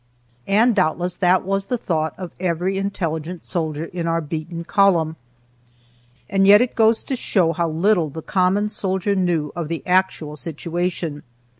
And doubtless that was the thought of every intelligent soldier in our beaten column. And yet it goes to show how little the common soldier knew of the actual situation.